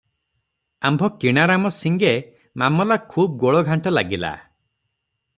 ଆମ୍ଭ କିଣାରାମ ସିଙ୍ଗେ! ମାମଲା ଖୁବ୍ ଗୋଳଘାଣ୍ଟ ଲାଗିଲା ।